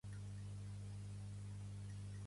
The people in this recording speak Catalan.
Pertany al moviment independentista el Cefe?